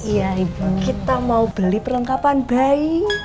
iya ibu kita mau beli perlengkapan bayi